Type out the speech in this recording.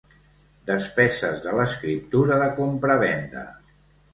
Despeses de l'escriptura de compravenda.